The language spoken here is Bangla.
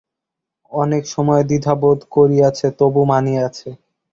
অনেক সময় দ্বিধা বোধ করিয়াছে, তবু মানিয়াছে।